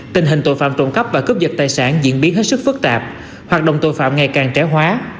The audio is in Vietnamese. tình hình tội phạm trộm cắp và cướp dật tài sản diễn biến hết sức phức tạp hoạt động tội phạm ngày càng trẻ hóa